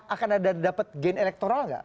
akan ada dapat gen elektoral nggak